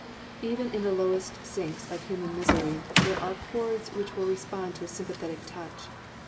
Even in the lowest sinks of human misery there are chords which will respond to a sympathetic touch.